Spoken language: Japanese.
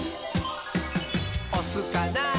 「おすかな？